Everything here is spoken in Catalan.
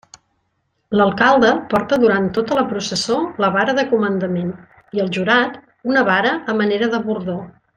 L'alcalde porta durant tota la processó la vara de comandament i el jurat, una vara a manera de bordó.